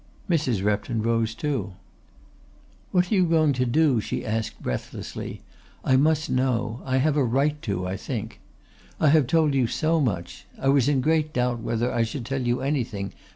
Mrs. Repton rose too. "What are you going to do?" she asked breathlessly. "I must know I have a right to, I think. I have told you so much. I was in great doubt whether I should tell you anything.